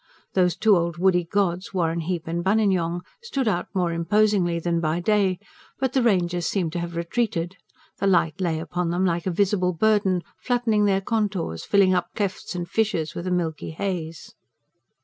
Those two old woody gods, Warrenheip and Buninyong, stood out more imposingly than by day; but the ranges seemed to have retreated. The light lay upon them like a visible burden, flattening their contours, filling up clefts and fissures with a milky haze.